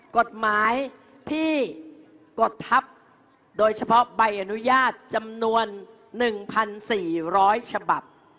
กฎหมายที่กดทัพโดยเฉพาะใบอนุญาตจำนวน๑๔๐๐ฉบับ